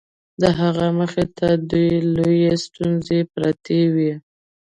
د هغه مخې ته دوې لويې ستونزې پرتې وې.